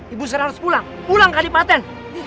ibu sekarang harus pulang pulang kandipaten